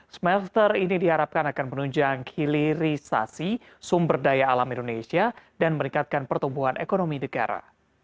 smelter ini diharapkan akan menunjang hilirisasi sumber daya alam indonesia dan meningkatkan pertumbuhan ekonomi negara